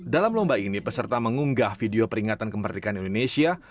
dalam lomba ini peserta mengunggah video peringatan kemerdekaan indonesia